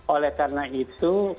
oleh karena itu